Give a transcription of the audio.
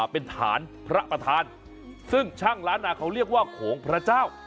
เป็นฐานพระประธานซึ่งช่างล้านนาเขาเรียกว่าโขงพระเจ้า